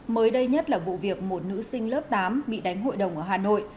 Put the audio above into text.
mới đây nhất là vụ việc một nữ sinh lớp tám bị đánh hội đồng ở hà nội